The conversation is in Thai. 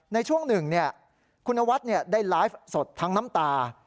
ในช่วงหนึ่งคุณนวัดได้ไลฟ์สดทั้งน้ำตา